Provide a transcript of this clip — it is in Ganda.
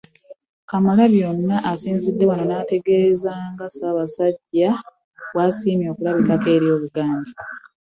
Kamalabyonna asinzidde wano n'ategeeza nga ssaabasajja bw'asiimye okulabikako eri obuganda